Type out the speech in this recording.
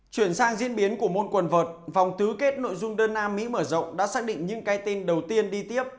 chuyển sang diễn biến của môn quần vật vòng thứ kết nội dung đơn nam mỹ mở rộng đã xác định những cái tên đầu tiên đi tiếp